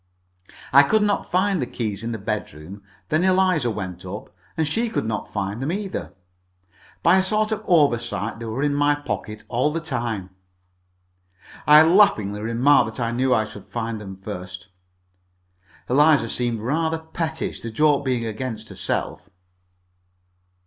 I could not find the keys in the bedroom. Then Eliza went up, and she could not find them, either. By a sort of oversight they were in my pocket all the time. I laughingly remarked that I knew I should find them first. Eliza seemed rather pettish, the joke being against herself.